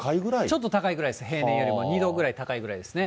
ちょっと高いぐらいです、平年よりも２度ぐらい高いぐらいですね。